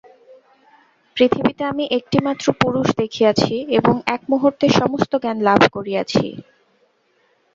পৃথিবীতে আমি একটিমাত্র পুরুষ দেখিয়াছি এবং এক মুহূর্তে সমস্ত জ্ঞান লাভ করিয়াছি।